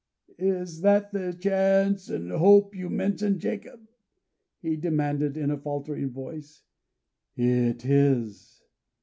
"Is that the chance and hope you mentioned. Jacob?" he demanded, in a faltering voice. "It is."